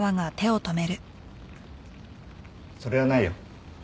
それはないよ。